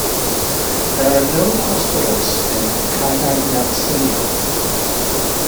There are no hospitals in Cagayancillo.